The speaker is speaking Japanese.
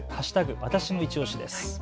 わたしのいちオシです。